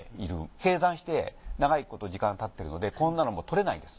閉山して長いこと時間がたってるのでこんなのもう採れないです。